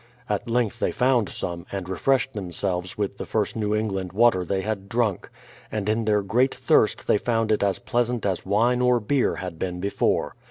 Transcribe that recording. At length they found some, and refreshed them selves with the first New England v/ater they had drunk; and in their great thirst they found it as pleasant as w'ine or beer had been before.